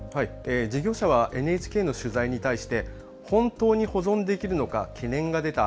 事業者はＮＨＫの取材に対して本当に保存できるのか懸念が出た。